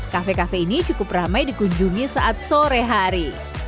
kafe kafe ini cukup ramai dikunjungi saat sore hari